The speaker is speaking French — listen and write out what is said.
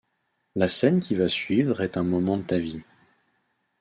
La scène qui va suivre est un moment de ta vie.